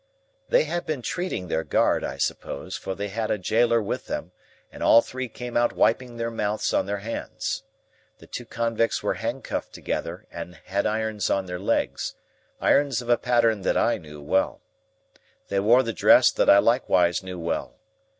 They had been treating their guard, I suppose, for they had a gaoler with them, and all three came out wiping their mouths on their hands. The two convicts were handcuffed together, and had irons on their legs,—irons of a pattern that I knew well. They wore the dress that I likewise knew well.